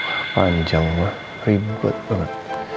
wah panjang lah ribet banget